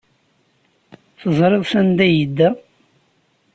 Teẓriḍ sanda ay yedda?